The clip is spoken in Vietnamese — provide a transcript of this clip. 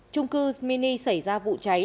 trung cư mini xảy ra vụ cháy